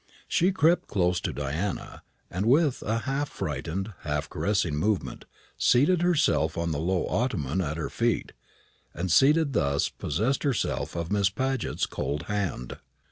She crept close to Diana, and with a half frightened, half caressing movement, seated herself on the low ottoman at her feet, and, seated thus, possessed herself of Miss Paget's cold hand.